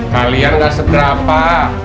kalian gak segera pak